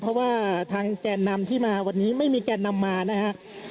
เพราะว่าทางแกนนำที่มาวันนี้ไม่มีแกนนำมานะครับ